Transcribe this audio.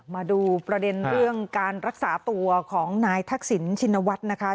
มาดูประเด็นเรื่องการรักษาตัวของนายทักษิณชินวัฒน์นะคะ